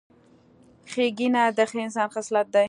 ښېګڼه د ښه انسان خصلت دی.